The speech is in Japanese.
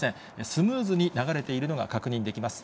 スムーズに流れているのが確認できます。